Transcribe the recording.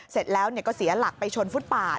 เสร็จแล้วก็เสียหลักไปชนฟุตปาด